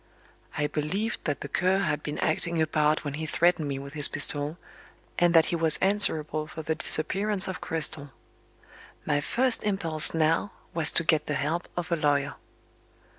I believed that the Cur had been acting a part when he threatened me with his pistol, and that he was answerable for the disappearance of Cristel. My first impulse now was to get the help of a lawyer.